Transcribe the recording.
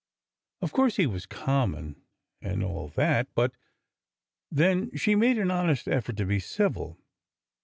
Of course he was common, and all that, but— Then she made an honest effort to be civil.